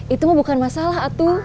itu mah bukan masalah atu